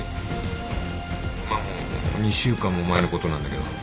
まあもう２週間も前のことなんだけど。